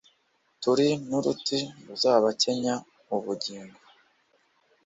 Turi n'uruti ruzabakenya ubugingo,